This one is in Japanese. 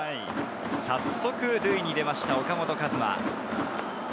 早速、塁に出ました、岡本和真。